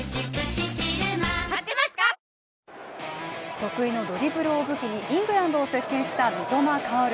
得意のドリブルを武器にイングランドを席巻した三笘薫。